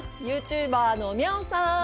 ユーチューバーのミャオさん！